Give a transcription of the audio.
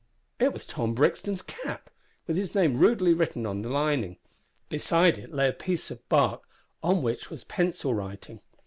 It was Tom Brixton's cap with his name rudely written on the lining. Beside it lay a piece of bark on which was pencil writing.